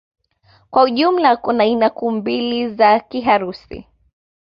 Kwa ujumla kuna aina kuu mbili za Kiharusi